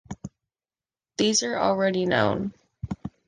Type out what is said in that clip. These are already known.